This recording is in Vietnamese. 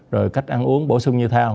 rồi cách ăn uống bổ sung như thế nào